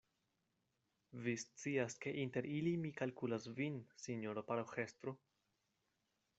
Vi scias, ke inter ili mi kalkulas vin, sinjoro paroĥestro.